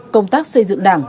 công tác xây dựng đảng